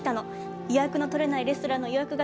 予約の取れないレストランの予約が取れてね。